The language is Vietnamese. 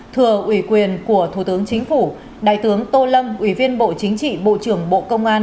thừa ủy quyền của thủ tướng chính phủ đại tướng tô lâm ủy viên bộ chính trị bộ trưởng bộ công an